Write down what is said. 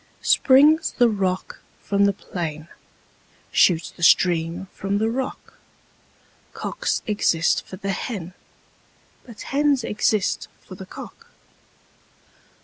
Springs the rock from the plain, shoots the stream from the rock: Cocks exist for the hen: but hens exist for the cock.